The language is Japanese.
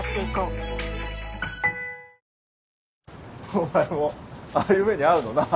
お前もああいう目に遭うのな。